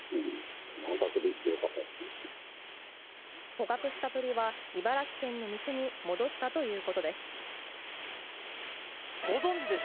捕獲した鳥は、茨城県の店に戻ったということです。